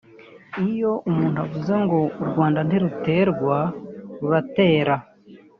Iyo umuntu avuze ngo ‘u Rwanda ntiruterwa ruratera